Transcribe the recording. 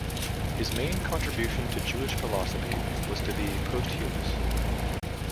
His main contribution to Jewish philosophy was to be posthumous.